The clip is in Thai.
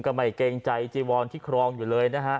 กะไหมเกงใจจีวรที่ครองอยู่เลยนะฮะ